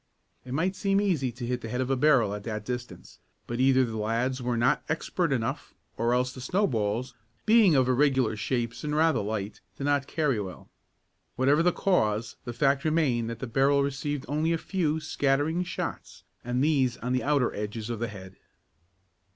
It might seem easy to hit the head of a barrel at that distance, but either the lads were not expert enough or else the snowballs, being of irregular shapes and rather light, did not carry well. Whatever the cause, the fact remained that the barrel received only a few scattering shots and these on the outer edges of the head.